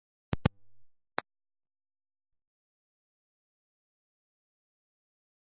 In these sentences, the articles "a" and "the" are used.